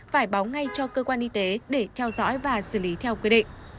phải báo ngay cho cơ quan y tế để theo dõi và xử lý theo quy định